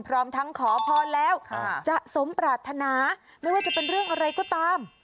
พร้อมทั้งขอพรแล้วจะสมปรารถนาไม่ว่าจะเป็นเรื่องอะไรก็ตาม